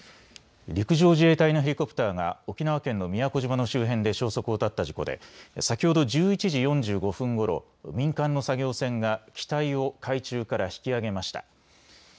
陸上自衛隊のヘリコプターが沖縄県の宮古島の周辺で消息を絶った事故で先ほど１１時４５分ごろ民間の作業船が機体を海中から引き揚げました。